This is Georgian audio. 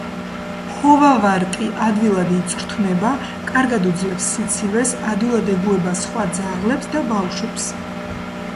ჰოვავარტი ადვილად იწვრთნება, კარგად უძლებს სიცივეს, ადვილად ეგუება სხვა ძაღლებს და ბავშვებს.